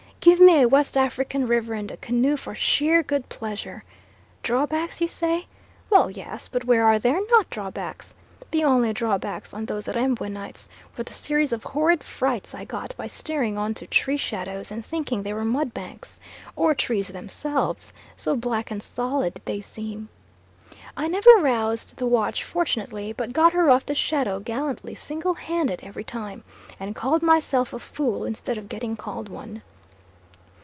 give me a West African river and a canoe for sheer good pleasure. Drawbacks, you say? Well, yes, but where are there not drawbacks? The only drawbacks on those Rembwe nights were the series of horrid frights I got by steering on to tree shadows and thinking they were mud banks, or trees themselves, so black and solid did they seem. I never roused the watch fortunately, but got her off the shadow gallantly single handed every time, and called myself a fool instead of getting called one.